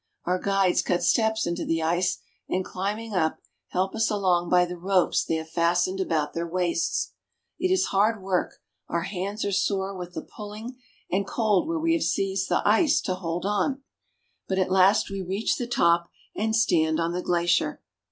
Our guides cut steps into the ice, and climbing up, help us along by the ropes they have fastened about their waists. It is hard work, our hands are sore with the pulling and cold where we have seized the ice to hold on, but at last we reach the top and stand on the glacier.